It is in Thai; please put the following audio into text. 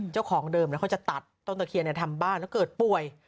เจ้าของเดิมเขาจะตัดต้นตะเคียนทำบ้านแล้วเกิดป่วย